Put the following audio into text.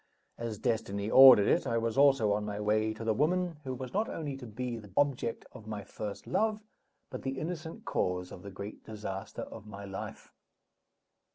As destiny ordered it, I was also on my way to the woman who was not only to be the object of my first love, but the innocent cause of the great disaster of my life.